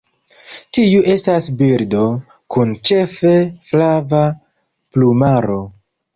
Tiu estas birdo, kun ĉefe flava plumaro.